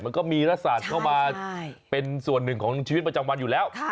มันก็มีรศาสตร์เข้ามาเป็นส่วนหนึ่งของชีวิตประจำวันอยู่แล้ว